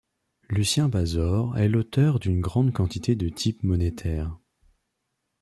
Lucien Bazor est l'auteur d'une grande quantité de types monétaires.